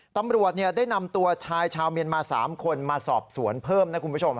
ตำรวจได้นำตัวชายชาวเมียนมา๓คนมาสอบสวนเพิ่มนะคุณผู้ชม